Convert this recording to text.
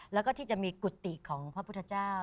แล้วก็ที่จะมีกุฏิของพระพุทธเจ้า